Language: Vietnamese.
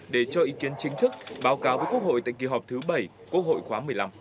để cho ý kiến chính thức báo cáo với quốc hội tại kỳ họp thứ bảy quốc hội khóa một mươi năm